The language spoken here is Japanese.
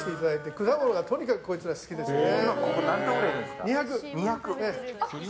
果物がとにかくこいつら、好きですね。